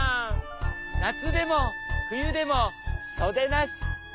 なつでもふゆでもそでなしはんズボン。